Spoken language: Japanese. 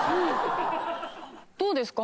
どうですか？